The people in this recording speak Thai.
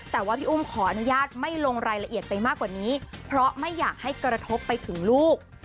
แต่ว่าพี่อุ้มขออนุญาตไม่ลงรายละเอียดไปมากกว่านี้เพราะไม่อยากให้กระทบไปถึงลูก